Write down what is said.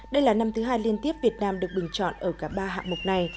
đây là năm thứ hai liên tiếp việt nam được bình chọn ở cả ba hạng mục này